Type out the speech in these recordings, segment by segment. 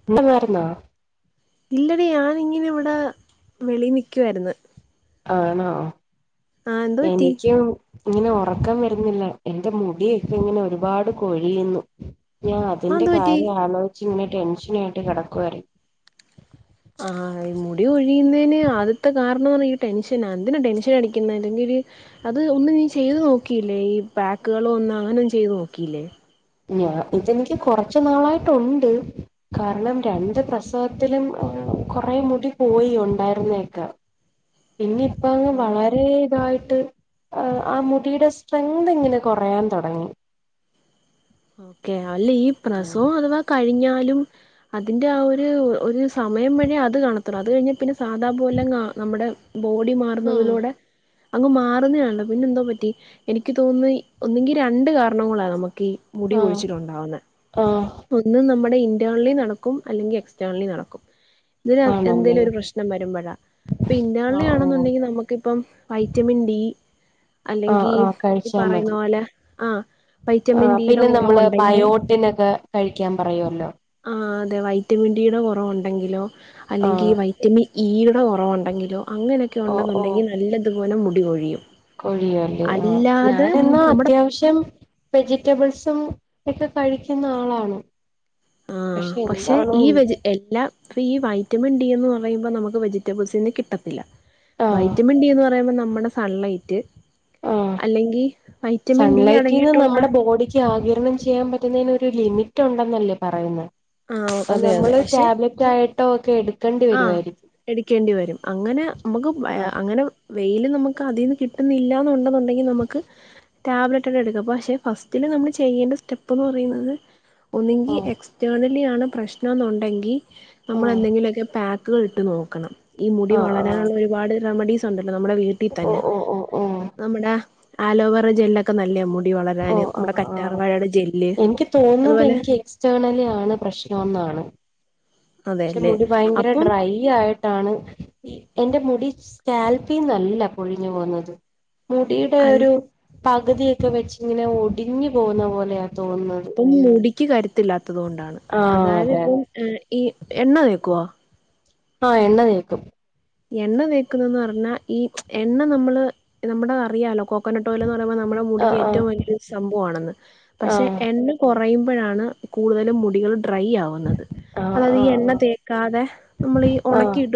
[unintelligible] ഇല്ലെടി ഞാനിങ്ങനെ ഇവടെ വെളീ നിക്കുവായിര്ന്ന് ആണോ ആഹ് എന്തു പറ്റി എനിക്കും ഇങ്ങനെ ഒറക്കം വെര്ന്നില്ല എൻ്റെ മുടിയൊക്കിങ്ങനെ ഒരുപാട് കൊഴിയ്ന്ന് ഞാൻ ആഹ് അതിന്റെ എന്തു പറ്റി കാര്യം ആലോചിച്ച് ഇങ്ങനെ ടെൻഷനായിട്ട് കിടക്കുവായിരുന്നു ആഹ് മുടി കൊഴിയുന്നെന് ആദ്യത്തെ കാരണംന്ന ഈ ടെൻഷന എന്തിനാ ടെൻഷൻ അടിക്കുന്നേ അല്ലെങ്കില് അത് ഒന്നും നീ ചെയ്ത് നോക്കിയില്ലേ ഈ പാക്കുകള് ഒന്ന് അങ്ങനെ ഒന്നും ചെയ്ത് നോക്കിയില്ലേ ഞാ ഇതെനിക്ക് കൊറച്ച് നാളായിട്ടുണ്ട് കാരണം രണ്ട് പ്രസവത്തിലും കൊറേ മുടി പോയി ഉണ്ടായിരുന്നേക്കെ പിന്നിപ്പങ് ആഹ് വളരെ ഇതായിട്ട് ആഹ് ആഹ് മുടീടെ സ്ട്രെങ്ത് ഇങ്ങനെ കുറയാൻ തുടങ്ങി ഓക്കേ അല്ല ഈ പ്രസവം അഥവാ കഴിഞ്ഞാലും അതിന്റെ ആഹ് ഒരു ഒരു സമയം വരെ അത് കാണത്തുള്ളു അത് കഴിഞ്ഞ പിന്നെ സാധാ പോലെങ്ങ നമ്മുടെ ബോഡി ഉം മാറുന്നതിലൂടെ അങ്ങ് മാറുന്നയാണല്ലോ പിന്നെ എന്തോ പറ്റി എനിക്ക് തോന്നുന്നി ഒന്നെങ്കി രണ്ട് കാരണങ്ങളാ നമുക്കി മുടി ആഹ് കൊഴിച്ചിലുണ്ടാവുന്നേ ആഹ് ഒന്ന് നമ്മടെ ഇന്റേർണലി നടക്കും അല്ലെങ്കി എക്സ്റ്റേർണലി നടക്കും ഇതിന ആണല്ലേ എന്തേലും ഒരു പ്രശ്നം വരുമ്പഴാ ആഹ് ഓ പിന്റെര്ണലിയണെന്നുണ്ടെങ്കിൽ നമുക്കിപ്പം വൈറ്റമിൻ ഡി ആഹ് അല്ലെങ്കി ആഹ് ഈ കഴിച്ചാ പറയുന്ന പോലെ ആഹ് വൈറ്റമിൻ ആഹ് ഡിയുടെ പിന്നെ നമ്മള് കുറവുണ്ടെങ്കി ബയോട്ടിനൊക്കെ കഴിക്കാൻ പറയുവല്ലോ ആഹ് അതെ വൈറ്റമിൻ ഡിയുടെ കുറവുണ്ടെങ്കിലോ അല്ലെങ്കി ആഹ് വൈറ്റമിൻ ഈടെ കുറവുണ്ടെങ്കിലോ അങ്ങനെയൊക്കെ ഓ ഉണ്ടെന്നുണ്ടെങ്കിൽ നല്ലതുപോലെ മുടികൊഴിയും കൊഴിയുവല്ലേ ആഹ് ഞാനെന്ന നമ്മുടെ അത്യാവശ്യം വെജിറ്റബിൾസും ഒക്കെ കഴിക്കുന്ന ആളാണോ ആഹ് പക്ഷെ ഈ വെജി എല്ലാം ഇപ്പൊ ഈ വൈറ്റമിൻ ഡി എന്ന് പറയുമ്പോ നമുക്ക് വെജിറ്റബിൾസിന്ന് കിട്ടത്തില്ല ആഹ് വൈറ്റമിൻ ഡി എന്ന് പറയുമ്പോ നമ്മടെ സൺലൈറ്റ് ആഹ് അല്ലെങ്കി വൈറ്റമിൻ ഡി അടങ്ങിയിട്ടുള്ള ഈ ആഗിരണം ചെയ്യാൻ പറ്റുന്നതിന് ഒരു ലിമിറ്റ് ഉണ്ടെന്നല്ലേ പറയുന്നത് ആഹ് അത് അതെ അതെ ഞമ്മള് പക്ഷെ ടാബ്ലറ്റ് ആയിട്ടോക്കെ എടുക്കേണ്ടി ആഹ് വരുവായിരിക്കും എടുക്കേണ്ടി വരും അങ്ങനെ മ്മക്ക് ആഹ് അങ്ങനെ വെയില് നമ്മുക്ക് അതിന്ന് കിട്ടുന്നില്ലന്നുണ്ടെന്നുണ്ടെങ്കി നമ്മുക്ക് ടാബ്ലറ്റൊക്കെ എടുക്കുവപ്പോ പക്ഷേ ഫസ്റ്റില് നമ്മൾ ചെയ്യേണ്ട സ്റ്റെപ്പ്ന്ന് പറയുന്നത് ഒന്നെങ്കി ആഹ് എക്സ്റ്റേർണലി ആണ് പ്രശ്നം എന്നുണ്ടെങ്കി നമ്മളെന്തെങ്കിലൊക്കെ പാക്ക് കൾ ഇട്ട് നോക്കണം ഈ മുടി ആഹ് ആഹ് ആഹ് വളരാനുള്ള ഒരുപാട് റെമഡീസ് ട്ടൊണ്ടല്ലോ നമ്മടെ ഓ വീട്ടിത്തന്നെ ഓ ഓ ഓ നമ്മടെ അലോവേര ജെല്ലൊക്കെ ഒക്കെ നല്ലയാ മുടി ഓ വളരാന് മ്മടെ ആഹ് ആഹ് കറ്റാർവാഴേടെ ജെല്ല് അതുപോലെ എക്സ്റ്റെർണലി ആണ് പ്രശ്നംന്നാണ് പക്ഷെ അതെല്ലേ മുടി ഭയങ്കര അപ്പം ഡ്രൈ യ്യായിട്ടാണ് ഈ എന്റെ മുടി സ്കാൽപ്പീന്നല്ല പൊഴിഞ്ഞു പോവുന്നത് മുടീടെ അൽ ഒരു പകുതിയൊക്കെ വെച്ചിങ്ങനെ ഒടിഞ്ഞു പോകുന്ന പോലെയ ഓഹ് അപ്പം മുടിക്ക് കരുത്തില്ലാത്തത് കൊണ്ടാണ് ആഹ് അതായത് അതെ ഇപ്പം അതെ ഉം ഈ എണ്ണ തേക്കുവോ ആഹ് എണ്ണ തേക്കും എണ്ണ തേക്കുന്നന്ന് പറഞ്ഞാ ഈ എണ്ണ നമ്മള് നമ്മുടെ അറിയാലോ കൊ കൊക്കാനട്ട് ഓയിൽ എന്ന് പറയുമ്പോ നമ്മുടെ മുടിക്ക് ആഹ് ഏറ്റവും വലിയൊരു സംഭവമാണെന്ന് പക്ഷെ ആഹ് എണ്ണ കുറയുമ്പോഴാണ് കൂടുതലും മുടികൾ ഡ്രൈ ആവുന്നത് ആഹ് അതായത് ഈ എണ്ണ ആഹ് തേക്കാതെ നമ്മൾഈ ആഹ് ഉണക്കീട്ട്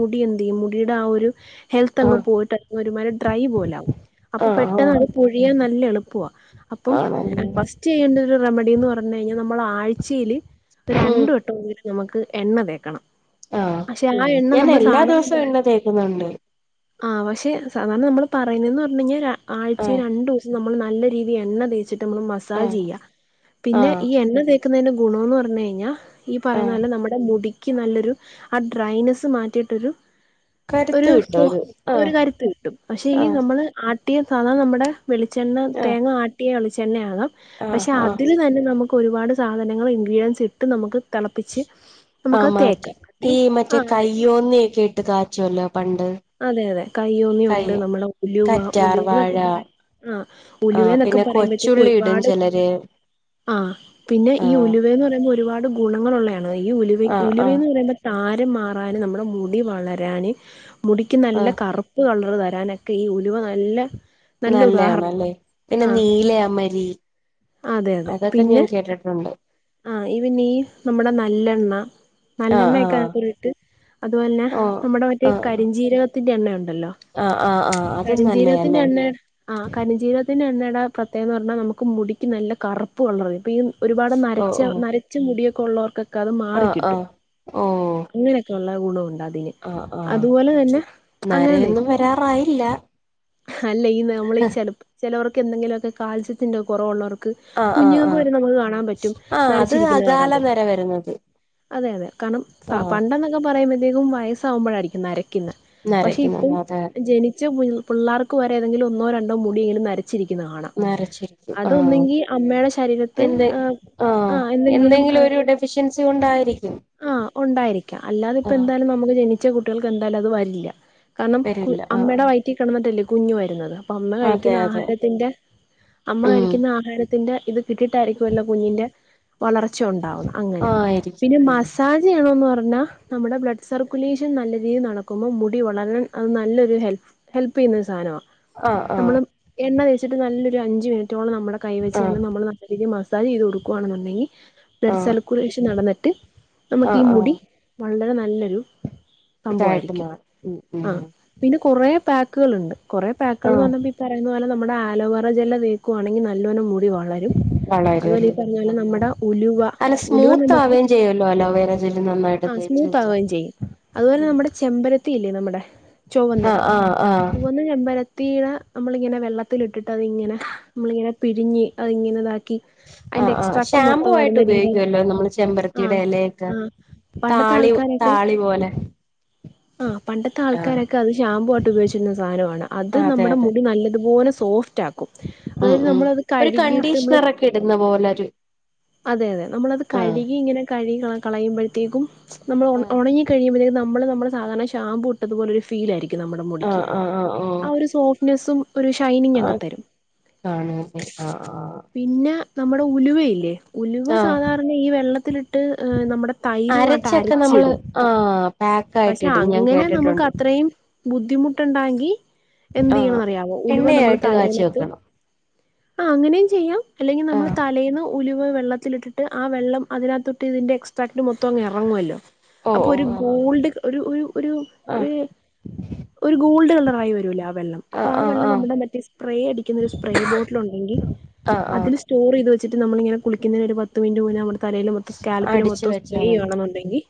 മുടി എന്ത് ചെയ്യും മുടിടെ ആ ഒരു ഹെൽത്ത് അങ്ങ് ആഹ് പോയിട്ട് അ ഒരുമാരി ഡ്രൈ പോലാകും അപ്പൊ ആഹ് ആഹ് പെട്ടെന്ന് ആഹ് അത് പൊഴിയാൻ നല്ല എളുപ്പവാ അപ്പം ആണല്ലേ ഫസ്റ്റ് ചെയ്യേണ്ട ഒരു റെമഡിന്ന് പറഞ്ഞു കഴിഞ്ഞാ നമ്മള് ആഴ്ചയില് ഒരു ഉം രണ്ട് വട്ടെങ്കിലും നമുക്ക് എണ്ണ തേക്കണം ആഹ് പക്ഷെ ആ എണ്ണ ഞാൻ നമ്മള് എല്ലാ സാധാരണ ദിവസവും എണ്ണ തേക്കുന്നുണ്ട് ആ പക്ഷെ സാധാരണ നമ്മൾ പറയുന്നതെന്ന് പറഞ്ഞു കഴിഞ്ഞാൽ ആഴ്ച ആഹ് രണ്ടു ദിവസം നമ്മൾ നല്ല രീതിൽ എണ്ണ തേച്ചിട്ട നമ്മ മ ആഹ് ചെയ പിന്നെ ആഹ് ഈ എ നിൽക്കുന്നതി്റെ ഗുണംമന്ന് പറഞ്ഞു കഴിഞ്ഞാൽ ഈ പറയുന്ന ആഹ് നല്ല നമ്മുടെ മുടിക്ക് നല്ലൊരു ആ ഡ്രൈനെസ്സ് മാറ്റിയിട്ട് കരുത്ത് കിട്ടും ഒരു ആഹ് കരുത്ത് കിട്ടും പക്ഷെ ഈ ആഹ് നമ്മള് ട്ടിയ സാധണ നമ്മുടെ വെളിച്ചെണ്ണ ആഹ് തേങ്ങ ആട്ടിയ വെളിച്ചെണ്ണ ആകാം ആഹ് പക്ഷെ ആഹ് അതില് തന്നെ നമുക്ക് ഒരുപാട് സാധനങ്ങൾ ഇൻഗ്രീഡിയൻസ് ഇട്ട് നമുക്ക് തിളപ്പിച്ച് നമുക്ക് തേക്കാം അതി ആ അതെ ്യ ഒന്നിയൊക്കെ ഇട്ട് കാറ്റുവല്ലോ പണ്ട് അതെ അതെ കയ്യോന്നിയുണ്ട് കയ്യ നമ്മളെ ഉലുവ കറ്റാർ ഉലുവ വാഴ എന്നൊക്കെ പറയാം ആ് ഉലുവേ ആഹ് എന്നൊക്കെ പിന്നെ പറയുമ്പോഴത്തേക്കും കൊച്ചുള്ളി ഇടും ഒരുപാട് ചിലര് ആഹ പിന്നെ ഈ ആഹ് ഉലുവേന്ന് പറയുമ്പോ ഒരുപാട് ഗുണങ്ങളുള്ളതാണ് ഈ ഉല ആഹ് ആഹ് ഉലുവന്ന് പറയുമ്പോൾ താരം മാറൻ നമ്മുടെ മുടി വളരാന് മുടിക്ക് നല്ല ആഹ് കറുപ്പ് കളർ തരാനൊക്കെ ഈ ഉലുവ നല്ല നല്ല ഉദാഹരണം നല്ലയാണല്ലേ പിന്നെ ആഹ് നീലമരി അതൊക്കെ ഞാൻ കേട്ടിട്ടുണ്ട് ആഹ ഇത് ന്നീസ് നമ്മുടെ നല്ലെണ്ണ ആഹ് ആഹ് നല്ലെണ്ണയൊക്കെറിട്ട് അതുപോലെ തന്നെ ഓഹ് നമ്മുടെ മറ്റേ ആഹ് കരിഞ്ജീരകത്തിന്റെറെ എണ്ണയുണ്ടല്ലോ ആഹ് ആഹ് ആഹ് അതും കരിംചീരകത്തിന്റെ നല്ലയാല്ലേ എണ്ണ ആഹ് കരിംചീരകത്തിന്റെ എണ്ണയുടെ പ്രത്യേകത എന്ന് പറഞ്ഞാൽ നമുക്ക് മുടിക്കും നല്ല കറുപ്പ് കളർ ഇപ്പൊ ഈ ഒരുപാട് ഓഹ് നരച്ച ഓഹ് നരച്ച മുടിയൊക്കെ ഉള്ളവർക്കൊക്കെ അത് ആഹ് മാറിക്കിട്ടും ആഹ് ഓഹ് അങ്ങനെ റ്റുള്ള ഗുണുണ്ട് അതിന് ആഹ് ആഹ അതുപോലെ തന്നെ അങ്ങനെ എനിക്ക്ന്നരയൊന്നും തേക്കും വരാറായില്ല അല്ല ഈ നമ്മളീഈ ചില ചിലവർക്ക് എന്തെങ്കിലുമൊക്കെ കാൽസ്യത്തിന്റെ കുറവുള്ളവർക്ക് ക്ക്‌ ആഹ് ആഹ് കുഞ്ഞുങ്ങൾക്ക് ആഹ് വരെ നമുക്ക് കാണാൻ പറ്റും ആഹ് അത് നരച്ചിരിക്കുന്നത് കാണാൻ അകാല പറ്റും നര വരുന്നത് അതെ അതെ കാരണം ആ ആഹ് പണ്ടെന്നൊക് ക്ക പറയുമ്പോഴത്തേക്കും വയസാാവുമ്പോഴായിരിക്കും നരക്കിന്ന് പക്ഷെ ഇപ്പം നരയ്ക്കുന്നത് അതെ ജനിച്ച പിള്ളാർക്ക് വരെ ഏതെങ്കിലും ഒന്നോ രണ്ടോ മുടിയേലും നര ചിരിക്കുന്നത് കാണാം നരച്ചിരിക്കും ആഹ് അതൊന്നിങ്കി അമ്മയുടെ ശരീരത്ത് എന്ത് ഏ ആഹ് എന്തെങ്കിലും ഏ ഡെഫിഷ്യൻസി ഉണ്ടായിരിക്കും ആഹ് ഉണ്ടായിരിക്കാം അല്ലാതെ ഇപ്പ എന്തായാലും നമുക്ക് ജനിച്ച കുട്ടികൾക്ക് എന്തായാലും അത് വരില്ല കാരണം കു വരില്ല ആഹ് അമ്മയുടെ വൈറ്റിൽ കിടന്നിട്ടല്ലേ കുഞ്ഞു വരുന്നത് അപ്പ അമ്മ ആഹ് അതെ കഴിക്കുന്ന അതെ ആഹാരത്തിന്റെ അമ്മ ഉം കഴിക്കുന്ന ആഹാര ത്തിന്റെ ഇത് കിട്ടിയിട്ടായിരികൊല്ലോ കുഞ്ഞിന്റെ വളർച്ച ഉണ്ടാവുന്ന് അങ്ങനെ പിന്നെ മാ ആയിരിക്കും താജയാണോെന്ന് പറഞ്ഞാൽ നമ്മുടെ ബ്ലഡ് സർക്കുലേഷൻ നല്ല രീതിയിൽ നടക്കുമ്പോൾ മുടി വളരാൻ അത് നല്ലൊരു ഹെൽപ്പ് ഹെൽപ്പീയുന്ന ഒരു സാധനാ ആഹ് ആഹ് നമ്മള് എണ്ണ തേച്ചിട്ട് നല്ലൊരു അഞ്ചു മിനിറ്റോളം നമ്മുടെ കൈ വെച്ച് ആഹ് തന്നെ നമ്മള് ശരിക്ക് മസാജ് ചെയ്ത് കൊടുക്കുവാണെന്നുണ്ടെങ്കിൽ ബ്ലഡ് ആഹ് സർക്കുലേഷൻ നടന്നിട്ട് നമുക്ക് ഈ ആഹ് ആഹ് മുടി വളരെ നല്ലൊരു ഇതായിട്ട് സംഭവമായിരിക്കും മാറും ഉം ഉം ആ പിന്നെ കുറേ പാക്കുകളുണ്ട് കുറെ പാക്കുകൾന്ന് ആഹ് പറഞ്ഞ പറയുന്ന പോലെ നമ്മുടെ ആലോവറ ജില്ല തീക്കുവാണെങ്കിൽ നല്ലവോണം മുടി വളരും അതുപോലെ ഈ വളരുവല്ലേ പറഞ്ഞാല് ആഹ് നമ്മുടെ ഉലുവ ഉലുവ നമുക്ക് ചെയ്യല്ലോ അലോവേറെ ജെല്ല് നന്നായിട്ട് ആഹ് തേച്ച് സ്മൂത്ത് വെച്ച ആവുകയും ചെയ്യും അതുപോലെ നമ്മുടെ ചെമ്പരത്തി ഇല്ലേ നമ്മുടെ ചുവന്ന ആഹ് ആഹ് ആഹ് ചുവന്ന ചെമ്പരത്തിനെ നമ്മളിങ്ങനെ വെള്ളത്തിലിട്ടിട്ട് അത് ഇങ്ങനെ നമ്മളിങ്ങനെ പിഴഞ്ഞ് അത് ഇങ്ങനെതാക്കി ആഹ് ആഹ് ഷാമ്പൂ ആയിട്ട് ഉപയോഗിക്കുവല്ലോ നമ്മള് ചെമ്പരത്തിയുടെ ആഹ് ഇല ത്ത് ആഹ് പണ്ടത്തെ താളി താളി പോലെ ആ പണ്ടത്തെ ആഹ് ആൾക്കാരൊക്കെ അത് ഷാമ്പു ആയിട്ട് ഉപയോഗിച്ചിരുന്ന സാധനമാണ് അത് അതെ നമ്മുടെ അതെ മുടി നല്ലതുപോലെ സോഫ്റ്റ് ഉം അതായത് ഉം നമ്മൾത് ഒരു കഴുകിയിട്ട് നമ്മള് കണ്ടീഷണറൊക്കെ ഇടുന്ന പോലൊരു അതെ അതെ നമ്മളത് ആഹ് കഴുകി ഇങ്ങനെ കഴുകികള കളയുമ്പോഴത്തേക്കും നമ്മൾ ആഹ് ഉണങ്ങി കഴിയുമ്പഴേക്കും നമ്മൾ നമ്മൾ സാധാരണ ഷാമ്പൂ ഇട്ട് ട്ടതുപോലെ ഒരു ഫീല ആയിരിക്കും നമ്മുടെ മുടിക്ക് ആഹ് ആഹ് ആഹ് ഓഹ് ആ ഒരു സോഫ്റ്റ്നെസും ഒരു ഷൈനിങ് ആഹ് അങ്തരും കാണുവല്ലേ ആഹ് ആഹ് പിന്നെ നമ്മുടെ ഉലുവയില്ലേ ഉലുവ ആഹ് സാധാരണ ഈ വെള്ളത്തിലിട്ട് നമ്മുടെ തൈരുമായിട്ട് അരച്ചൊക്കെ നമ്മള് അരച്ചിടും ആഹ് പാക്കായിട്ട് പക്ഷെ ഇടും ഞാൻ അങ്ങനെ നമുക്ക് കേട്ടിട്ടുണ്ട് അത്ര ത്രയും ബുദ്ധിമുട്ടുണ്ടാങ്കി എന്ത് ആഹ് ചെയ്യണംന്ന്റിയാവോ ഉലുവ നമ്മള് എണ്ണയായിട്ട് കാച്ചി തലേണത്ത് വെക്കണം ആ അങ്ങനെയും ചെയ്യാം അല്ലെങ്കിൽ നമ്മള് ആഹ് തലേന്ന് ഉലിവ വെള്ളത്തിലിട്ടിട്ട് ആ വെള്ളം അതിനകത്തൊട്ട് ഇതിന്റെ എക്സ്ട്രാക്ന് മൊത്തം അങ് ഇറങ്ങുവല്ലോ അപ്പൊ ഓഹ് ഒരു ഓഹ് ഗോൾഡ് ഒരു ഒരു ഒരു ഒരു ആഹ് ഒരു ഗോൾഡ് കളറായി വരൂലേ ആ വെള്ളം ആഹ് അപ്പൊ ആ ആഹ് വെള്ളം ആഹ് നമ്മുടെ മറ്റെ സ്പ്രേ അടിക്കുന്ന ഒരു സ്പ്രേ ബോട്ടിൽ ഉണ്ടെങ്കിൽ ആഹ് ആഹ് ആഹ് അതിൽ സ്റ്റോർ ചെയ്ത് വെച്ചിട്ട് നമ്മങ്ങിളിങ്ങന കുളിക്കുന്നതിന് ഒരു പത്ത് മിനുറ്റ് മുനേ നമ്മടെ തലേല് കൽപ്പില് അടിച്ചു മൊത്തം സ്പ്രേ വെച്ചാ മതി ചെയ്യുവാണെന്നുണ്ടെങ്കിൽ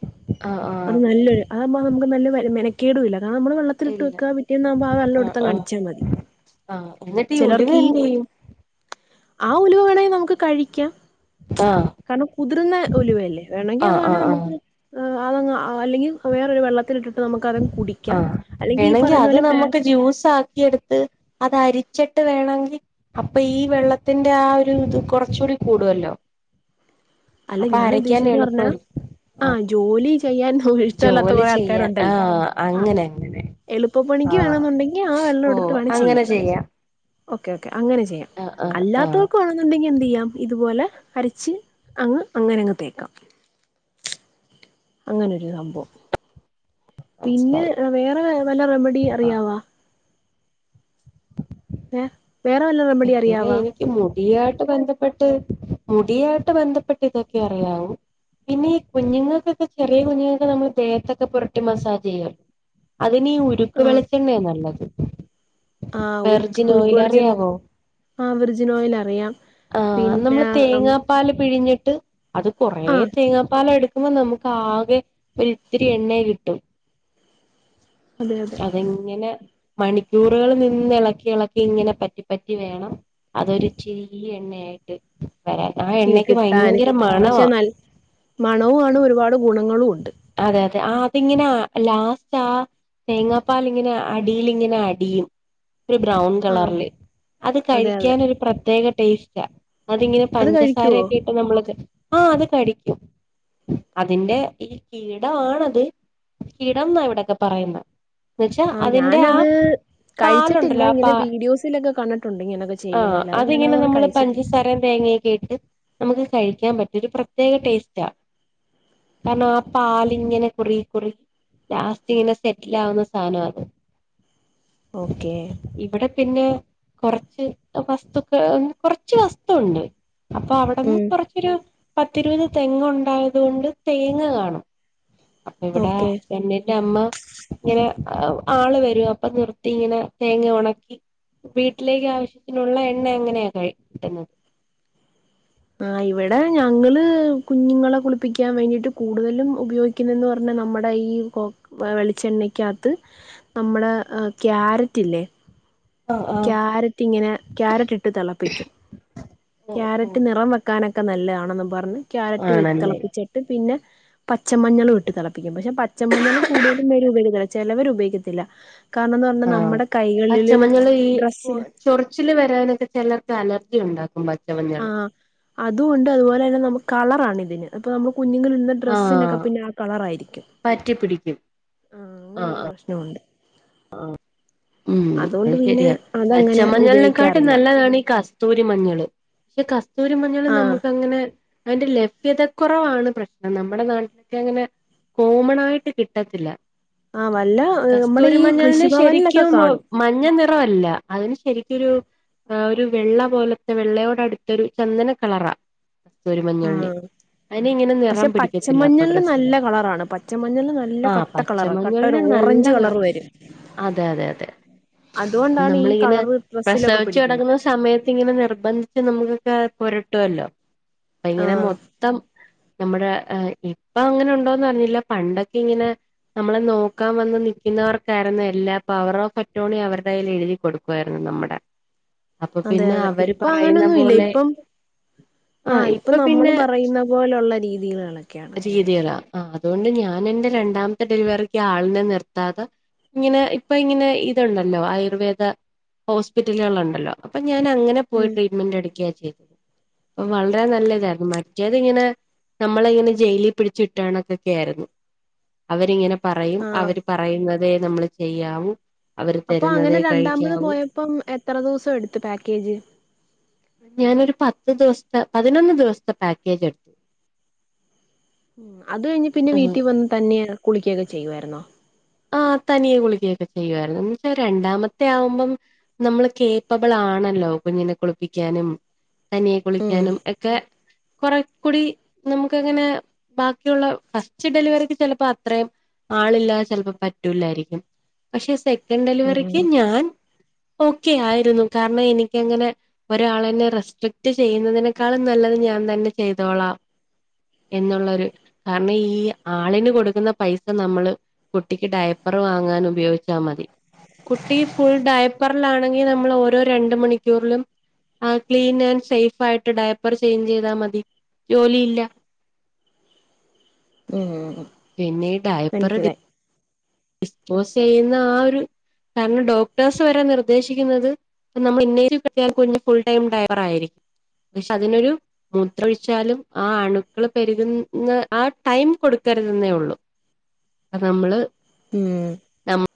ആഹ് അത് ആഹ് നല്ലൊരു അതാപ്പം നമുക്ക് നല്ല മെനക്കെടും ഇല്ലാരണം നമ്മള് വെ ത്തിലിട്ട് ഇല്ല വെക്ക പിറ്റേന്നാമ്പോ ആ ആഹ് വെള്ളംടുത്തങ്ങ് ആഹ് അടിച്ചാൽ മതി ആഹ് എന്നിട്ട് ഉലുവ ചിലർക്ക് ഈ എന്ത് ചെയ്യും ആ ഉലുവേണേ നമുക്ക് കഴിക്കാം ആഹ് കാരണം കുതിർന്ന ഒലിവല്ലേ വേണെങ്കി അത് ആഹ് വേണെ ആഹ് ആഹ് നമുക്ക് അതങ് അല്ലെങ്കിൽ വേറൊരു വെള്ളത്തി ഇട്ടിട്ട് നമുക്ക് അതങ് കൂടി ആഹ വേണെങ്കിൽ അത് നമുക്ക് ജ്യൂസ് ആക്കി എടുത്ത് അത് അരിച്ചിട്ട് വേണമെങ്കിൽ അപ്പൊ ഈ വെള്ളത്തിന്റെ ആ ഒരു ഇത് കൊറച്ചുകൂടി കൂടുല്ലോ അല്ല ഞാൻ ഉദ്ദേശിച്ചന്ന് പറഞ്ഞാ എളുപ്പമായിരിക്കും ആഹ് ജോലി ചെയ്യാൻ ഇഷ്ടമല്ലാത്ത ജോലി കൊറെ ചെയ്യാൻ ആൾക്കാരുണ്ട് ല്ല ആഹ് ആഹ് അങ്ങനെ അങ്ങനെ എളുപ്പപ്പണിക്ക് ആഹ് വേണെന്നുണ്ടെങ്കി ആ വെള്ളം ഓഹ് എടുത്ത് വേണം അങ്ങനെ ചെയ്യാം ഓക്കെ ഓക്കെ അങ്ങനെ ചെയ്യാം ആഹ് ആഹ് ആഹ് അല്ലാത്തവർക്ക വണെന്നുണ്ടെങ്കിൽ എന്ത് ചെയ്യാം ഇതുപോലെ അരച്ച് അങ്ങ് അങ്ങനെങ്ങ് തേക്കാം അങ്ങനെരു സംഭവം പിന്നെ മനസ്സിലായി വേറെ വല്ല റെമഡി ആഹ് അറിയാവാ ഏ വേറെ വല്ല റെ [unintelligible] ഈ മുടിയായിട്ട് ബന്ധപ്പെട്ട് മുടിയായിട്ട് ബന്ധപ്പെട്ട് ഇതൊക്കെ അറിയാവൂ പിന്നെ ഈ കുഞ്ഞുങ്ങൾക്കൊക്കെ ചെറിയ കുഞ്ഞുങ്ങൾക്ക് നമ്മള് ദേഹത്തൊക്കെ പുരട്ടി മസാജ് ചെയ്യു അതിനീ ഉരുക്ക് ആ വെളിച്ചെണ്ണയാ നല്ലത് ആ ഉരുക്ക് വെർജിൽ ഉരുക്ക് വെളിച്ചെണ്ണ ഓയിലറിയാവോ ആ വെർജിനോയിൽ അറിയാം പിന്നെ പാൽ പിഴഞ്ഞിട്ട് അത് കുറേ ആ തേങ്ങാപ്പാല എടു കുപ്പം നമുക്ക് ആകെ ഒരിത്തിരി എണ്ണേ കിട്ടും അതെ അതെ അതങ്ങനെ മണിക്കൂറുകിൽ നിന്ന് ഇളക്കി ഇളക്കി ഇങ്ങനെ പറ്റിപ്പറ്റി വേണം അതൊരു ചിരി എണ്ണയായിട്ട് വരാൻ ആ എണ്ണക്ക് ഭയങ്കര മണവാ മണവുമാണ് ഒരുപാട് ഗുണങ്ങളും ഉണ്ട് അതെ അതെ ആ അതിങ്ങനെ ലാസ്റ്റ് ആ തേങ്ങാപ്പാൽ ഇങ്ങനെ അടിൽ ഇങ്ങനെ അടിയും ഒരു ബ്രൗൺ ആ കളറില് അത് അതെ അതെ കഴിക്കാൻ ഒരു പ്രത്യേക ടേസ്റ്റാ അതിങ്ങനെ അത് കഴിക്കുവോ പഞ്ചസാരൊക്കെ ഇട്ട് നമ്മൾക്ക് ആഹ് അത് കടിക്കും അതിന്റെ ഈ കീടമാണത് കീടം എന്നാ ഇവിടെക്കെ പറയുന്നത് എന്നുവച്ചാ ആ അതിന്റെ ആ ഞാനത് കഴിച്ചിട്ടില്ല പാലുണ്ടല്ലോ പ ഇങ്ങനെ വീഡിയോസിലൊക്കെ കണ്ടിട്ടുണ്ട് ഇങ്ങനൊക്കെ ആഹ് ചെയ്യുന്ന അല്ലാതെ അതിങ്ങനെ ഞാനത് നമ്മള് കഴിച്ചിട്ടില്ല പഞ്ചസാരയും തേങ്ങയും ട്ട് നമുക്ക് കഴിക്കാൻ പറ്റും ഒരു പ്രത്യേക ടേസ്റ്റാ കാരണം ആ പാലിങ്ങനെ കുറ കുറി ലാസ്റ്റ് ഇങ്ങനെ സെറ്റിൽ ആവുന്ന സാനാ അത് ഓക്കേ ഇവിടെ പിന്നെ കൊറച്ച് വസ്തുക്കൾ കുറച്ച് വസ്തുവുണ്ട് അപ്പൊ അവിടന്ന് കൊറച്ചൊരു പത്തിരുപത് തെങ്ങുണ്ടായത് കൊണ്ട് തേങ്ങ കാണും അപ്പൊ ഇവിടെ പെണ്ണിന്റെ അമ്മ ങ്ങനെ ആള് വരും അപ്പൊ നിർത്തി ഇങ്ങനെ തേങ്ങ ഉണക്കി വീട്ടിലേക്ക് ആവശ്യത്തിനുള്ള എണ്ണ എങ്ങനെയാ ക കിട്ടുന്നത് ആ ഇവിടെ ഞങ്ങള് കുഞ്ഞുങ്ങളെ കുളിപ്പിക്കാൻ വേണ്ടിട്ട് കൂടുതലും ഉപയോഗിക്ക ന്ന് പറഞ്ഞ നമ്മുടെ ഈ കൊ വെളിച്ചെണ്ണയ്ക്കകത്ത് നമ്മുടെ ക്യാരറ്റ് ഇല്ലേ ആഹ് ആഹ് ക്യാരറ്റിങ്ങനെ ക്യാരറ്റ് ഇട്ട് തിളപ്പിക്കും ഓ ഓ ക്യാരറ്റ് നിറം വെക്കാനൊക്കെ നല്ലതാണെന്ന് പറഞ്ഞ് ക്യാരറ്റ് ആണല്ലേ തിളപ്പിച്ചിട്ട് പിന്നെ പച്ചമഞ്ഞളും ഇട്ട് തിളപ്പിക്കും പക്ഷെ പച്ചമഞ്ഞള് കൂടുതലും പേരും ഉപയോഗിക്കുന്നില്ല ചെലവര് ഉപയോഗിക്കത്തില്ല കാരണം എന്ന് പറഞ്ഞ ആഹ് നമ്മുടെ കൈകളിലും പച്ചമഞ്ഞള് ഈ ഡ്രസ്സി ചൊറിച്ചില് വരാനൊക്കെ ചിലർക്ക് അലർജി ഉണ്ടാക്കും പ ആഹ് അതും ഉണ്ട് അതുപോലെ തന്നെ നമുക്ക് കളറാണ് ഇതിന്, അപ്പൊ നമ്മടെ കുഞ്ഞുങ്ങൾ ഇടുന്ന ഡ്ര ഡ്രസ്സിനൊക്കെ പിന്നെ ആഹ് കളറായിരിക്കും. പറ്റിപിടിക്കും ആഹ് ആഹ്. ഉണ്ട് ആഹ് ഉം അത് അതുകൊണ്ട് പിന്നെ ശരിയാ, അതങ്ങനെ പച്ചമഞ്ഞളിനെക്കാട്ടും ഉപയോഗിക്കാറില്ല നല്ലതാണ് ഈ കസ് തൂരി മഞ്ഞള് പക്ഷെ കസ്തൂരി മഞ്ഞള് ആഹ് നമുക്ക് അങ്ങനെ. അതിന്റെ ലഭ്യതക്കുറവാണ് പ്രശ്നം നമ്മുടെ നാട്ടില് അങ്ങനെ. കോമൺ ആയിട്ട് കിട്ടത്തില്ല. ആഹ് വല്ല ഉം. കസ്തൂരി മഞ്ഞളിന് ശരിക്കും ഒ മഞ്ഞനിറം അല്ല, അതിന് ശരിക്കൊരു. ആഹ് ഒരു വെള്ള പോലത്തെ വെള്ളയോടുത്തൊരു ചന്ദന കളറാ. കസ്തൂരി മഞ്ഞളിന് ആഹ് അതി ഇങ്ങനെ നിറം പക്ഷെ പിടിക്കത്തില്ല ആഹ് പച്ചമഞ്ഞളിന് നല്ല ഡ്രസ്സിമും കളറാണ് പച്ചമഞ്ഞളിന് നല്ല അപ്പൊ പറ്റിയ. കട്ട പച്ച കളറാ കട്ട ഒരു മഞ്ഞളിന് ഓറഞ്ച് നല്ലത്. കളർ വരും അതെ അതെ അതെ അതുകൊണ്ടാണ് ഈ നമ്മളിങ്ങനെ കളറ് ഡ്രസ്സിലൊക്കെ പ്രസവിച്ചു പിടിക്കുന്നെ കിടക്കുന്നു. സമയത്ത് ഇങ്ങനെ നിർബന്ധിച്ച് നമ്മളൊക്കെ പുരട്ടുമല്ലോ, അത് ഇങ്ങനെ മൊ ആഹ് ത്തം നമ്മുടെ ഏഹ് ഇപ്പൊ അങ്ങനെ ഉണ്ടോയെന്നറിയില്ല പണ്ടൊക്കെ ഇങ്ങനെ. നമ്മളെ നോക്കാൻ വന്ന് നൽക്കുന്നവർക്ക്. യിരുന്നു എല്ലാ പവർ ഓഫ് ആട്ടോർണേയാ അവരുടെ കയ്യിൽ എഴുതി കൊടുക്കുവായിരുന്നു നമ്മടെ. അതെ അതെ ഇപ്പൊ അങ്ങനെയൊന്നുമില്ല പോലെ ഇപ്പം. ആ ആഹ് ഇപ്പം ഇപ്പൊ നമ്മള് പിന്നെ പറയുന്ന പോലുള്ള രീതീകളൊക്കെയാണ്. രീതികളാ ആഹ് അതുകൊണ്ട് ഞാനെന്റെ രണ്ടാമത്തെ ഡെലിവറിക്ക് ആളിനെ നിർത്താതെ. ഇങ്ങനെ ഇപ്പ ഇങ്ങനെ ഇതുണ്ടല്ലോ ആയുർവേദ. ഹോസ്പിറ്റലുകളുണ്ടല്ലോ, അപ്പൊ ഞാൻ അങ്ങനെ പോയി ഉം ട്രീറ്റ്മെന്റ് എടുക്കയാ ചെയ്തേ. അപ്പൊ വളരെ നല്ല ഇതായിരുന്നു, മറ്റേത് ഇങ്ങനെ. നമ്മളെ ഇങ്ങനെ ജയിലിൽ പിടിച്ചിട്ടാണൊക്കൊക്കായിരുന്നു. അവര് ഇങ്ങനെ പറയും ആഹ് അവര് പറയുന്നതേ നമ്മള് ചെയ്യാവൂ. അവര് തരുന്നതേ കഴിക്കാവൂ. ഇപ്പം എത്ര ദിവസം എടുത്ത് പാക്കേജ്? ഞാനൊരു പത്ത് ദിവസത്തെ പതിനൊന്ന് ദിവസത്തെ പാക്കേജ് എടുത്തു. അത് കഴിഞ്ഞ് പിന്നെ വീട്ടിൽ വന്ന് തന്നെ കുളിക്കുയൊക്കെ ചെയ്യുവായിരുന്നു. ആഹ് തനിയെ കുളിക്കുയൊക്കെ ചെയ്യുവായിരുന്നു, എന്നുവെച്ചാൽ രണ്ടാമത്തെ ആവുമ്പം. നമ്മള് കേപ്പബിൾ ആണല്ലോ, കുഞ്ഞിനെ കുളിപ്പിക്കാനും. തനിയെ ഉം കുളിക്കാനും ഒക്കെ. കുറെക്കൂടി നമുക്ക്‌ അങ്ങനെ ബാക്കിയുള്ള, ഫസ്റ്റ് ഡെലിവറിക്ക് ചെലപ്പോ അത്രയും. ആളില്ലാതെ ചിലപ്പോ പറ്റൂല്ലായിരിക്കും, പക്ഷെ സെക്കൻഡ് ഡെലിവറിക്ക് ഉം ഞാൻ. ഓക്കേ ആയിരുന്നു, കാരണം എനിക്ക് ഇങ്ങനെ. ഒരാള് എന്നെ റെസ്പെക്റ്റ് ചെയ്യുന്നതിനേക്കാളും നല്ലത് ഞാൻ തന്നെ ചെയ്തോളാം. എന്നുള്ളൊരു കാരണം ഈ ആളിന് കൊടുക്കുന്ന പൈസ നമ്മള്. കുട്ടിക്ക് ഡയപ്പർ വാങ്ങാനുപയോഗിച്ചാൽ മതി. കുട്ടി ഫുൾ ഡയപ്പറിലാണെങ്കിൽ നമ്മള് ഓരോ രണ്ട് മണിക്കൂറിലും. ആഹ് ക്ലീൻ ആൻഡ് സേഫ് ആയിട്ട് ഡയപ്പർ ചേഞ്ച്‌ ചെയ്താൽ മതി ജോലിയില്ല. ഉം പിന്നെ ഈ ഡയപ്പർ ടി മനസ്സിലായി ഡിസ്പോസ് ചെയ്യുന്നു ആഹ് ഒരു കാരണം ഡോക്ടർസ് വരെ നിർദ്ദേശിക്കുന്നത്. നമ്മളെ എന്നാലും പറ്റിയാലും കുഞ്ഞ് ഫുൾ ടൈം ഡിപ്പറായിരിക്കും, പക്ഷെ അതിനൊരു. മൂത്രമൊഴിച്ചാലും ആഹ് അണുക്കൾ പെരുക്കുന്ന ആഹ് ടൈം കൊടുക്കരുത് എന്നുള്ളൂ. അഹ് നമ്മള് ഉം നമ്മ